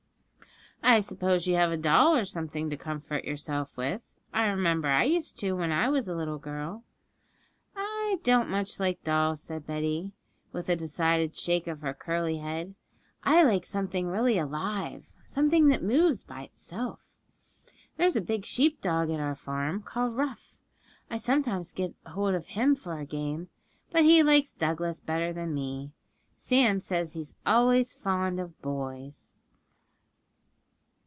'I suppose you have a doll or something to comfort yourself with? I remember I used to when I was a little girl.' 'I don't much like dolls,' said Betty, with a decided shake of her curly head; 'I like something really alive, something that moves by itself. There's a big sheepdog at our farm called Rough. I sometimes get hold of him for a game, but he likes Douglas better than me. Sam says he's always fond of boys.'